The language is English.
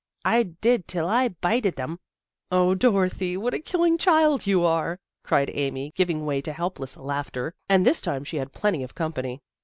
I did till I bited 'em." " 0, Dorothy, what a killing child you are! " cried Amy, giving way to helpless laughter, and this time she had plenty of company.